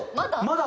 まだ？